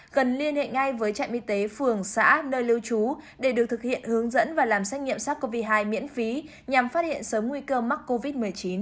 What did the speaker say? cần liên hệ ngay với trạm y tế phường xã nơi lưu trú để được thực hiện hướng dẫn và làm xét nghiệm sars cov hai miễn phí nhằm phát hiện sớm nguy cơ mắc covid một mươi chín